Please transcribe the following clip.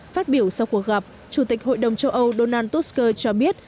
phát biểu sau cuộc gặp chủ tịch hội đồng châu âu donald tusker cho biết